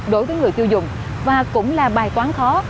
đối với người tiêu dùng và cũng là bài toán khó